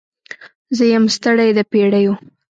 زه یم ستړې د پیړیو